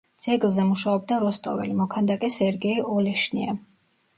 ძეგლზე მუშაობდა როსტოველი მოქანდაკე სერგეი ოლეშნია.